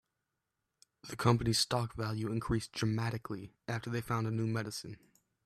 The company's stock value increased dramatically after they found a new medicine.